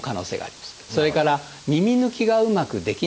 それから耳抜きがうまくできない人。